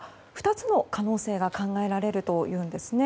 ２つの可能性が考えられるというんです。